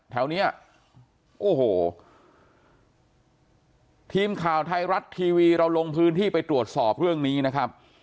แถวเนี้ยโอ้โหทีมข่าวไทยรัฐทีวีเราลงพื้นที่ไปตรวจสอบเรื่องนี้นะครับ